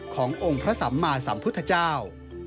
ขององค์พระสัมมาสัมพุทธเจ้า